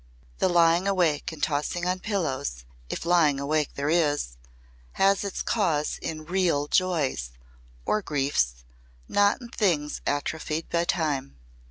The lying awake and tossing on pillows if lying awake there is has its cause in real joys or griefs not in things atrophied by time.